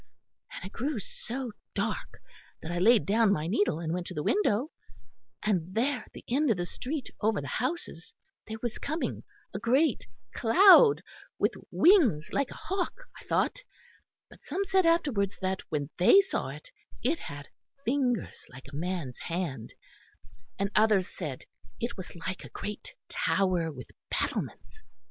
And it grew so dark that I laid down my needle and went to the window, and there at the end of the street over the houses there was coming a great cloud, with wings like a hawk, I thought; but some said afterwards that, when they saw it, it had fingers like a man's hand, and others said it was like a great tower, with battlements.